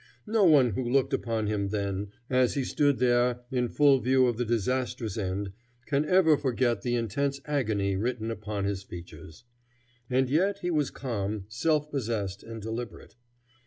No one who looked upon him then, as he stood there in full view of the disastrous end, can ever forget the intense agony written upon his features. And yet he was calm, self possessed, and deliberate.